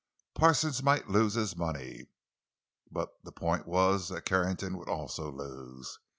Parsons might lose his money; but the point was that Carrington would also lose.